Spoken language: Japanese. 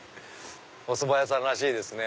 おそば屋さんらしいですね。